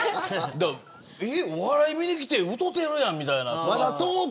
お笑いを見に来て歌ってるやんみたいな